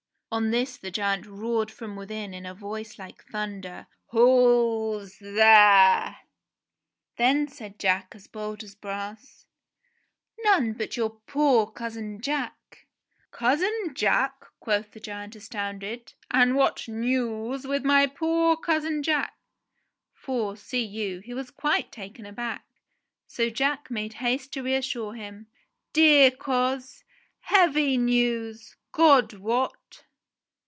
On this the giant roared from within in a voice like thun der : "Who's there?" 88 ENGLISH FAIRY TALES Then said Jack as bold as brass, "None but your poor cousin Jack." "Cousin Jack !" quoth the giant astounded. "And what news with my poor cousin Jack.?" For, see you, he was quite taken aback ; so Jack made haste to reassure him. "Dear coz, heavy news, God wot